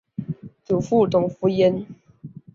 祖父董孚言。